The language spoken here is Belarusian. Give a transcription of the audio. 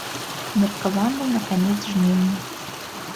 Меркавана на канец жніўня.